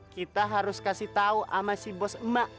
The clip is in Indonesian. kita harus kasih tahu sama si bos emak